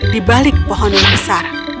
di balik pohon yang besar